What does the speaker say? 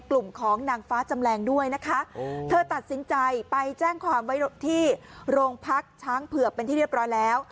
กลุ่มของนางฟ้าจำแรงด้วยนะคะเธอตัดสินใจไปแจ้งความไว้ที่โรงพักช้างเผือกเป็นที่เรียบร้อยแล้ว